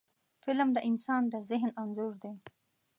فلم د انسان د ذهن انځور دی